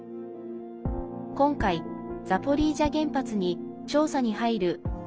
今回、ザポリージャ原発に調査に入る